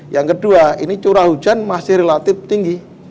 yang kedua ini curah hujan masih relatif tinggi